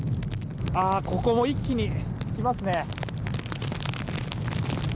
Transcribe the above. ここも一気に来ますね。